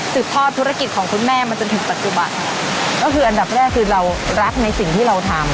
ทอดธุรกิจของคุณแม่มาจนถึงปัจจุบันก็คืออันดับแรกคือเรารักในสิ่งที่เราทำ